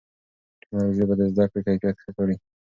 ټیکنالوژي به د زده کړې کیفیت ښه کړي.